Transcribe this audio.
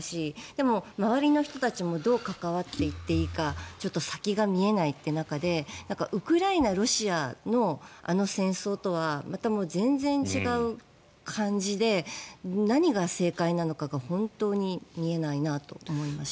でも周りの人たちもどう関わっていっていいかちょっと先が見えないという中でウクライナ、ロシアのあの戦争とはまた全然違う感じで何が正解なのかが本当に見えないなと思いました。